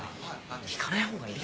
・聞かない方がいい。